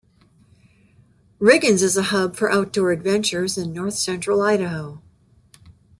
Riggins is a hub for outdoor adventures in North Central Idaho.